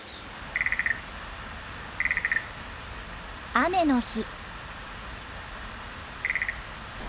雨の日。